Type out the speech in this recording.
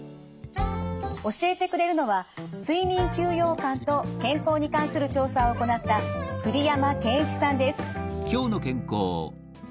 教えてくれるのは睡眠休養感と健康に関する調査を行った栗山健一さんです。